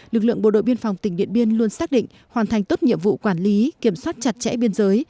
lực lượng bộ đội biên phòng tỉnh điện biên luôn xác định hoàn thành tốt nhiệm vụ quản lý kiểm soát chặt chẽ biên giới